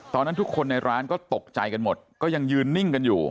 ตอนนั้นทุกคนในร้านก็ตกใจกันหมดก็ยังยืนนิ่งกันอยู่